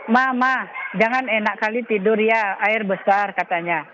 mama jangan enak kali tidur ya air besar katanya